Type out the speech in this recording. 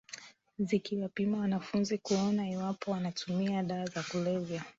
zikiwapima wanafunzi kuona iwapo wanatumia dawa za kulevya